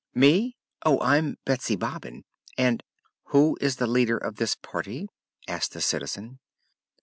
"Me? Oh, I'm Betsy Bobbin, and " "Who is the leader of this party?" asked the Citizen.